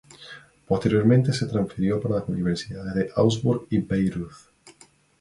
Posteriormente se transfirió para las universidades de Augsburg y Bayreuth.